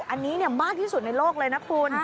อันนี้มากที่สุดในโลกเลยนะคุณ